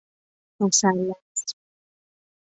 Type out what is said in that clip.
مثلث